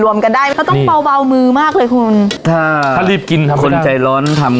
รวมกันได้มันก็ต้องเบาเบามือมากเลยคุณค่ะถ้ารีบกินทำคนใจร้อนทำ